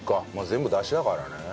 全部だしだからね。